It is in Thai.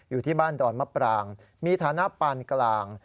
อยู่ที่บ้านดอนมะปรางมีฐานะปานกลาง